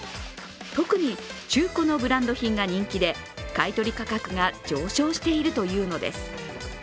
特に中古のブランド品が人気で、買い取り価格が上昇しているというのです。